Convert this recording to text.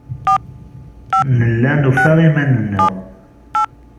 Nella nufa iman-nneɣ.